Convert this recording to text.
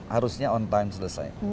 harusnya on time selesai